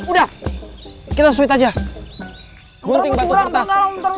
udah kita sweet aja gunting batu kertas